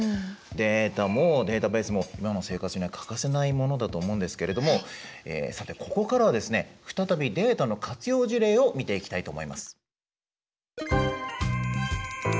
データもデータベースも今の生活には欠かせないものだと思うんですけれどもさてここからはですね再びデータの活用事例を見ていきたいと思います。